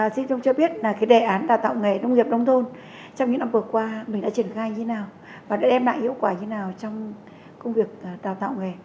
xin ông cho biết là cái đề án đào tạo nghề nông nghiệp nông thôn trong những năm vừa qua mình đã triển khai như thế nào và đã đem lại hiệu quả như thế nào trong công việc đào tạo nghề